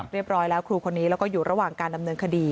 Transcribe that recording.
ร้อยครูคนนี้แล้วก็อยู่ระหว่างการดำเนินคดี